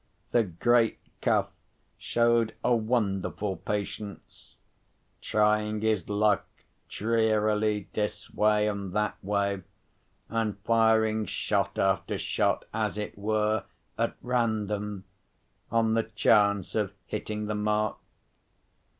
The great Cuff showed a wonderful patience; trying his luck drearily this way and that way, and firing shot after shot, as it were, at random, on the chance of hitting the mark.